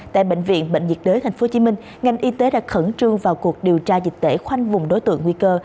tại bệnh viện bệnh nhiệt đới tp hcm ngành y tế đã khẩn trương vào cuộc điều tra dịch tễ khoanh vùng đối tượng nguy cơ